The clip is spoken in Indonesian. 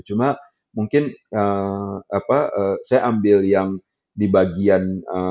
cuma mungkin saya ambil yang di bagian